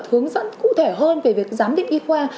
hướng dẫn cụ thể hơn về việc giám định y khoa